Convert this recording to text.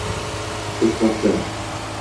Tush vaqti